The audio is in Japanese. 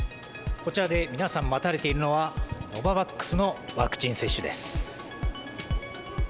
こちらで、皆さん待たれているのは、ノババックスのワクチン接種です。